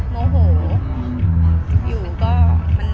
แม็กซ์ก็คือหนักที่สุดในชีวิตเลยจริง